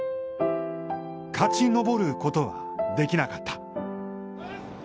勝ち登ることは、できなかった。